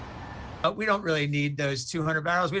kita tidak perlu dua ratus barang itu